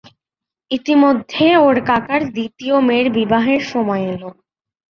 ইতিমধ্যে ওর কাকার দ্বিতীয় মেয়ের বিবাহের সময় এল।